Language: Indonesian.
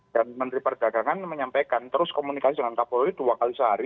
dan menteri perdagangan menyampaikan terus komunikasi dengan kapolri dua kali sehari